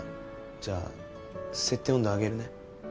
じゃあ設定温度上げるね。